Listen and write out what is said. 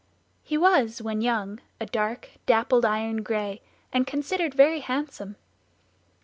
He was, when young, a dark, dappled iron gray, and considered very handsome.